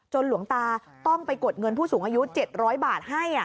หลวงตาต้องไปกดเงินผู้สูงอายุ๗๐๐บาทให้